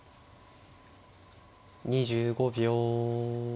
２５秒。